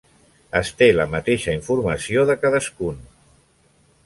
Es té la mateixa informació de cadascun.